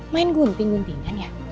main gunting guntingan ya